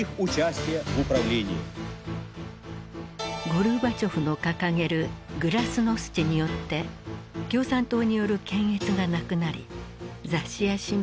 ゴルバチョフの掲げるグラスノスチによって共産党による検閲がなくなり雑誌や新聞が次々と創刊。